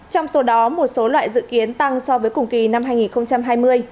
trong số đó một số loại dự kiến tăng so với cùng kỳ năm hai nghìn hai mươi